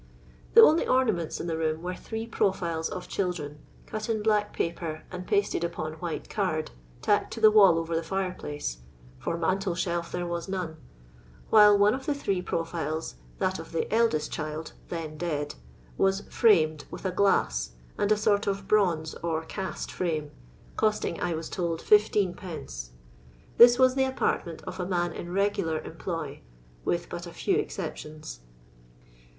The only ornaments in the room were three profiles of children, cut in black paper and pasted upon white cord, tacked to the wall over the fire place, for mantel shelf there was none, while one of the three profiles, that of the eldest child (then dead), was "framed," with a glass, and a sort of bronxe or " cast " frame, costr ing, I was told, \5d. This was the apartment of a man in reguhir employ (with but a few excep tions).